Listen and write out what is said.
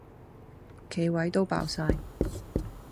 企位都爆哂